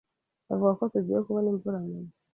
Bavuga ko tugiye kubona imvura nyuma.